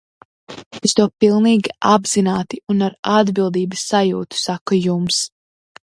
Es to pilnīgi apzināti un ar atbildības sajūtu saku jums.